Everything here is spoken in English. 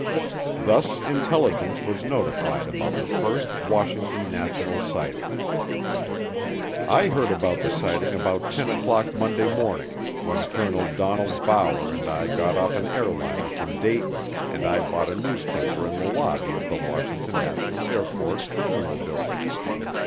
Thus intelligence was notified about the first Washington national sighting. I heard about the sighting about ten o'clock Monday morning when Colonel Donald Bower and I got off an airliner from Dayton and I bought a newspaper in the lobby of the Washington National Airport Terminal Building.